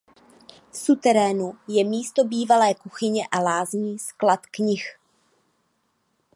V suterénu je místo bývalé kuchyně a lázní sklad knih.